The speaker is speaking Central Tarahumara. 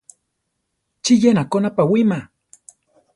¿Chí yénako napawíma?